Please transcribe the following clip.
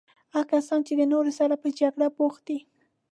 هغه کسان چې د نورو سره په جګړه بوخت دي.